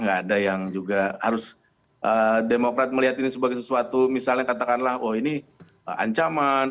gak ada yang juga harus demokrat melihat ini sebagai sesuatu misalnya katakanlah oh ini ancaman